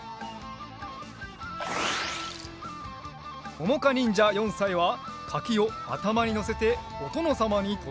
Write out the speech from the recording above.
ももかにんじゃ４さいはカキをあたまにのせておとのさまにとどけるでござる！